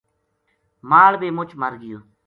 مال بے مُچ مر گیو